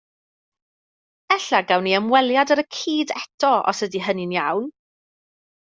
Ella gawn ni ymweliad ar y cyd eto os ydi hynny'n iawn